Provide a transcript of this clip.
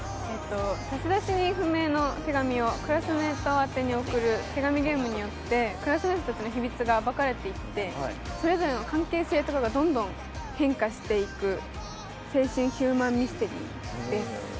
差出人不明の手紙をクラスメートに送る手紙ゲームによって、クラスメートたちの秘密が暴かれていってそれぞれの関係性とかがどんどん変化していく、青春ヒューマンミステリーです。